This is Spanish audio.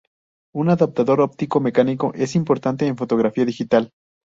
Un adaptador óptico mecánico es importante en fotografía digital.